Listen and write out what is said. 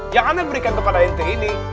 yang anak berikan kepada ente ini